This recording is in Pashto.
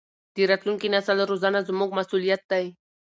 د راتلونکي نسل روزنه زموږ مسؤلیت دی.